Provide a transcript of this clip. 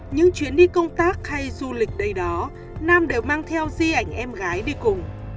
những chuyến đi công tác hay du lịch đây đó nam đều mang theo di ảnh em gái đi cùng